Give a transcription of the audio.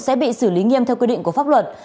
sẽ bị xử lý nghiêm theo quy định của pháp luật